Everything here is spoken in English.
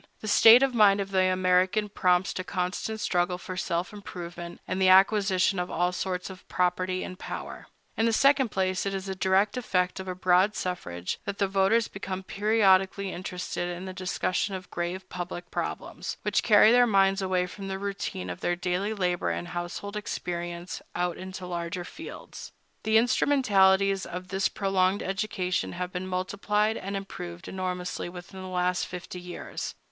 The state of mind of the American prompts to constant struggle for self improvement and the acquisition of all sorts of property and power. In the second place, it is a direct effect of a broad suffrage that the voters become periodically interested in the discussion of grave public problems, which carry their minds away from the routine of their daily labor and household experience out into larger fields. The instrumentalities of this prolonged education have been multiplied and improved enormously within the last fifty years.